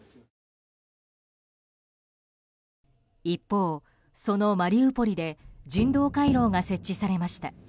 一方、そのマリウポリで人道回廊が設置されました。